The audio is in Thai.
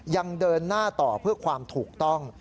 ยังเดินหน้าต่อเพื่อความถูกต้อง